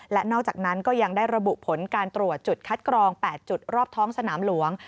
และนอกจากนั้นก็ยังได้ระบุผลการตรวจจุดคัดกรอง๘จุดรอบท้องสนามหลวง